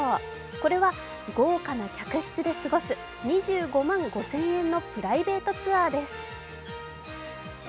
これは豪華な客室で過ごす２５万５０００円のプライベートツアーです。